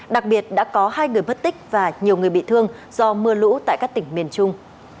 đặc biệt đã có hai người mất tích và nhiều người bị thương do mưa lũ tại các tỉnh miền trung